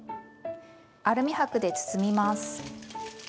アルミ箔で包みます。